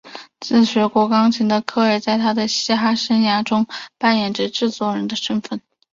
自学过钢琴的科尔在他的嘻哈乐生涯中扮演着制作人的身份。